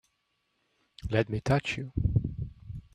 Let me touch you!